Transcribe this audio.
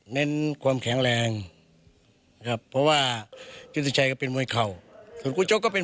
เน้นความแข็งแรงนะครับเพราะว่ายุทธิชัยก็เป็นมวยเข่าส่วนครูโจ๊กก็เป็น